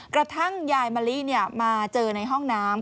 กระทั่งยายมะลิมาเจอในห้องน้ำ